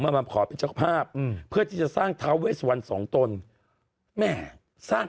มามาขอเป็นเจ้าภาพอืมเพื่อที่จะสร้างท้าเวสวันสองตนแม่สร้าง